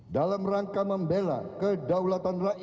dalam rangka membela kedaulatan rakyat